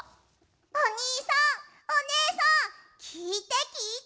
おにいさんおねえさんきいてきいて！